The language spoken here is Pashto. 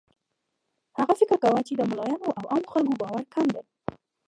هغه فکر کاوه چې د ملایانو او عامو خلکو باور کم دی.